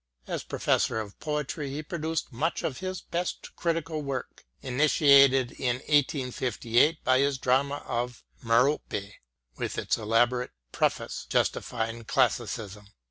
As Professor of Poetry he produced much of his best critical work, initiated in 1858 by his drama of " Merope," with its elaborate preface justifying classicism.